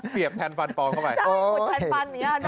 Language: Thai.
เสียบแผ่นฟันปลอมเข้าไป